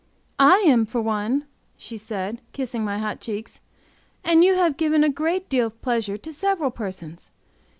"I am for one," she said, kissing my hot cheeks; "and you have given a great deal of pleasure to several persons.